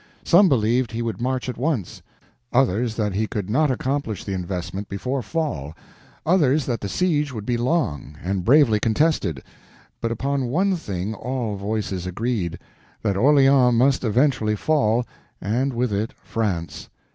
Some believed he would march at once, others that he could not accomplish the investment before fall, others that the siege would be long, and bravely contested; but upon one thing all voices agreed: that Orleans must eventually fall, and with it France.